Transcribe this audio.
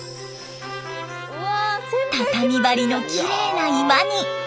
畳張りのきれいな居間に。